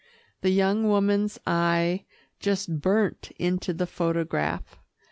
The young woman's eye just burnt into the photograph.